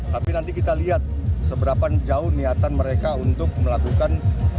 tapi nanti kita lihat seberapa jauh niatan mereka untuk melakukan